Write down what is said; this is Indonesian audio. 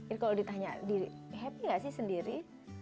ini kalau ditanya diri happy gak sih sendiri